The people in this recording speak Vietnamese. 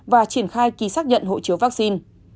và triển khai ký xác nhận hộ chiếu vaccine